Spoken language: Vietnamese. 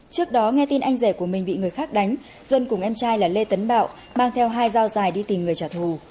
trước đó nghe tin anh rể của mình bị người khác đánh duân cùng em trai là lê tấn bảo mang theo hai dao dài đi tìm người trả thù